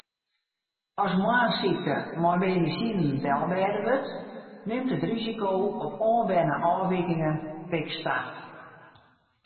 As moarnssykte mei medisinen delbêde wurdt, nimt it risiko op oanberne ôfwikingen fiks ta.